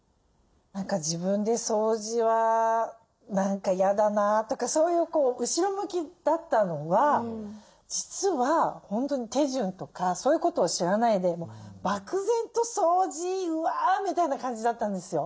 何か自分で「掃除は何か嫌だな」とかそういう後ろ向きだったのは実は本当に手順とかそういうことを知らないで漠然と「掃除うわ」みたいな感じだったんですよ